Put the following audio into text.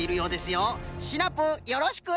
シナプーよろしく。